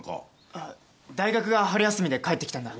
あ大学が春休みで帰ってきたんだ。